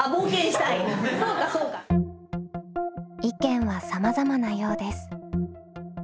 意見はさまざまなようです。